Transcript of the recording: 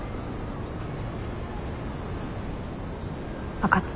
分かった。